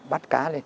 bắt cá lên